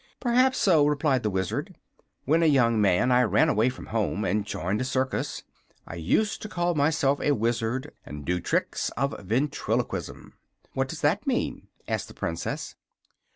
"Perhaps so," replied the Wizard. "When a young man I ran away from home and joined a circus. I used to call myself a Wizard, and do tricks of ventriloquism." "What does that mean?" asked the Princess.